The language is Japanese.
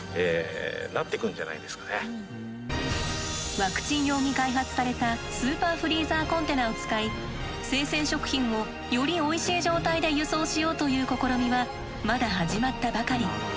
ワクチン用に開発されたスーパーフリーザーコンテナを使い生鮮食品をよりおいしい状態で輸送しようという試みはまだ始まったばかり。